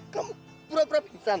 kamu pura pura pingsan